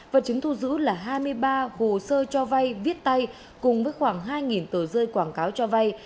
vật chứng thu giữ là hai mươi ba hồ sơ cho vay viết tay cùng với khoảng hai tờ rơi quảng cáo cho vay